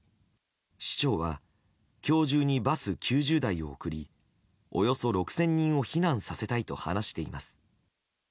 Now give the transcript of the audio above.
市長は今日中にバス９０台を送りおよそ６０００人を避難させたいと話しています。